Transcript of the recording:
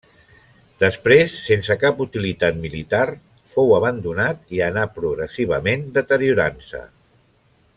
Després, sense cap utilitat militar, fou abandonat i anà progressivament deteriorant-se.